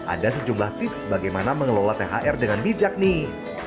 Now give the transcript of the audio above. ada sejumlah tips bagaimana mengelola thr dengan bijak nih